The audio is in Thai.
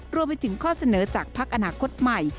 รวมไปถึงข้อเสนอจากพักอนาคตใหม่